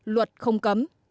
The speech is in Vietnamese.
luật không cấm